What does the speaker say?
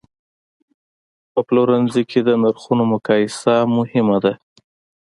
په پلورنځي کې د نرخونو مقایسه مهمه ده.